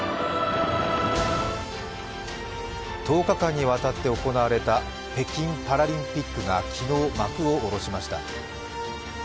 １０日間にわたって行われた北京パラリンピックが昨日幕を下ろしました。